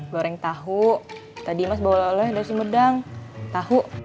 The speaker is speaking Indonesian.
goreng tahu tadi mas bawa oleh oleh dari sumedang tahu